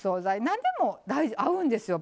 何でも合うんですよ